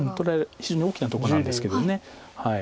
非常に大きなとこなんですけど。